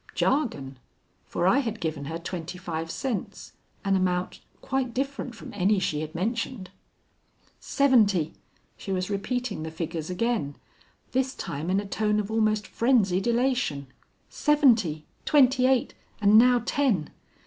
Jargon; for I had given her twenty five cents, an amount quite different from any she had mentioned. "Seventy!" She was repeating the figures again, this time in a tone of almost frenzied elation. "Seventy; twenty eight; and now ten!